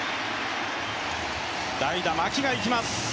代打・牧がいきます。